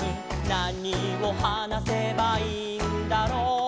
「なにをはなせばいいんだろう？」